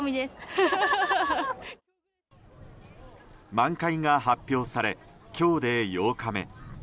満開が発表され今日で８日目。